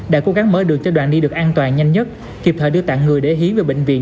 đã cố gắng mở đường cho đoạn đi được an toàn nhanh nhất kịp thời đưa tặng người để hí về bệnh viện